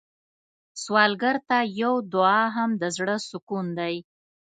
سوالګر ته یو دعا هم د زړه سکون دی